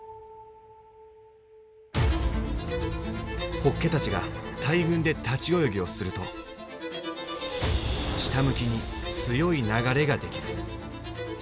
ホッケたちが大群で立ち泳ぎをすると下向きに強い流れが出来る。